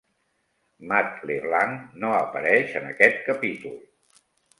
Matt LeBlanc no apareix en aquest capítol.